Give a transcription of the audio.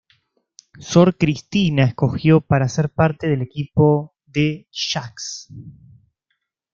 Sor Cristina escogió para ser parte del equipo de J-Ax.